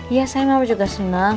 ya saya mama juga seneng